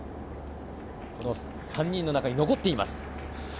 この３人の中に残っています。